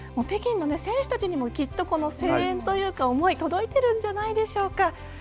北京の選手たちにもきっと声援というか思い、届いているんじゃないでしょうか。